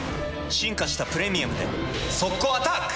進化した「プレミアム」で速攻アタック！